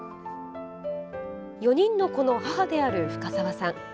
４人の子の母である深澤さん。